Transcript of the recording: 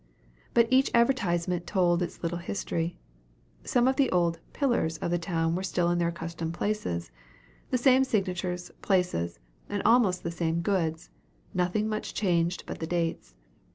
But each advertisement told its little history. Some of the old "pillars" of the town were still in their accustomed places. The same signatures, places, and almost the same goods nothing much changed but the dates.